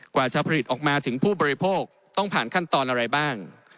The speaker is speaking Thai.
กว่าจะผลิตออกมาถึงผู้บริโภคต้องผ่านขั้นตอนอะไรบ้าง